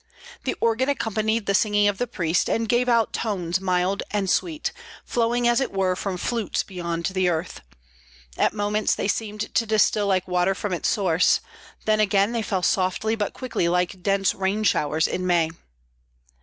The organ accompanied the singing of the priest, and gave out tones mild and sweet, flowing as it were from flutes beyond the earth. At moments they seemed to distil like water from its source; then again they fell softly but quickly like dense rain showers in May.